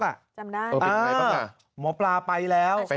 เอ้อหมอปราไปแล้ว